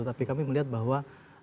tapi kami melihat bahwa